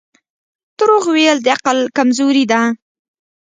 • دروغ ویل د عقل کمزوري ده.